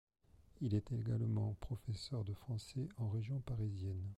Il est également professeur de français en région parisienne.